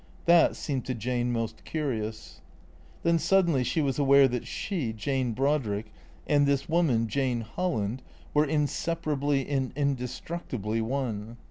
That seemed to Jane most curious. Then suddenly she was aware that she, Jane Brodrick, and this woman, Jane Holland, were inseparably and indestructibly one.